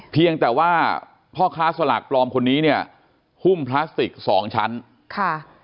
เพียงแต่ว่าพ่อค้าสลากปลอมคนนี้เนี่ยหุ้มพลาสติกสองชั้นค่ะ